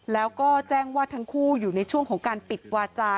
แล้วก็แจ้งว่าทั้งคู่อยู่ในช่วงของการปิดวาจา